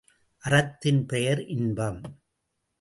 அறத்தின் பெயர் இன்பம்.